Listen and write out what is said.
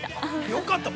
◆よかった。